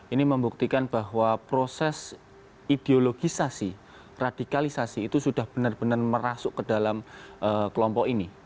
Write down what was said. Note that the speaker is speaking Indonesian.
ini membuktikan bahwa proses ideologisasi radikalisasi itu sudah benar benar merasuk ke dalam kelompok ini